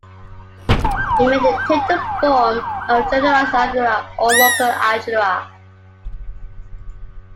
It may take the form of "generalized argyria" or "local argyria".